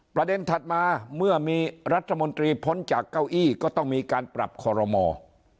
ถัดมาเมื่อมีรัฐมนตรีพ้นจากเก้าอี้ก็ต้องมีการปรับคอรมอล์